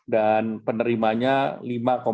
dan penerimanya rp lima sembilan miliar